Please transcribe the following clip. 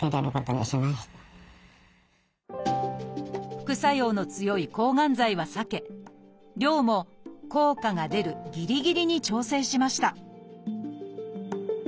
副作用の強い抗がん剤は避け量も効果が出るぎりぎりに調整しました